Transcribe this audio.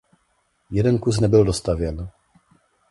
Jeden kus nebyl dostavěn.